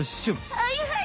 はいはい！